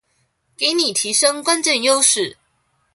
給你提升關鍵優勢